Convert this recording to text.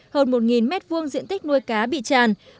hơn một m hai diện tích nuôi cá bị tràn